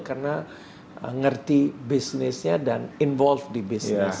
karena ngerti bisnisnya dan involve di bisnis